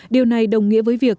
điều này đồng nghĩa với việc